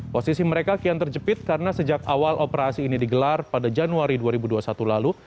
posisi mereka kian terjepit karena sejak awal operasi ini digelar pada januari dua ribu dua puluh satu lalu